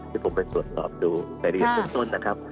ที่ผมไปตรวจสอบดูในเรียนต้นนะครับ